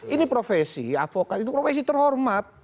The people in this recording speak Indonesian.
ini profesi advokat itu profesi terhormat